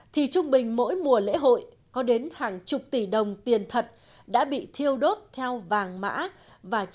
thì trung bình mỗi mùa lễ hội có đến hàng chục tỷ đồng tiền thật đã bị thiêu đốt theo vàng mã và trung bình